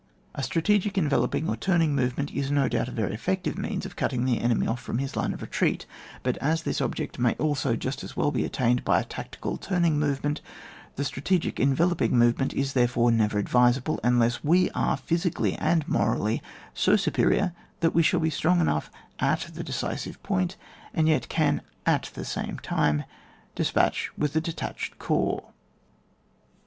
A strategic enveloping or turning movement is no doubt a very effectiTe means of cutting the enemy off from his line of retreat ; but as this object maj also just as well be attained by a tactical turning movement, the strategic envelop ing movement is therefore never advisable unless we are (physically and morally) bo superior, that we shall be strong enough at the decisive point, and yet can at the same time dispense with the detatched corps.